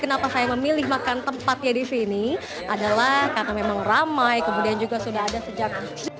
kenapa saya memilih makan tempatnya disini adalah karena memang ramai kemudian juga sudah ada sejak seribu sembilan ratus tujuh puluh delapan